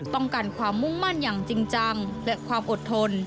ต้องการความมุ่งมั่นอย่างจริงจังและความอดทน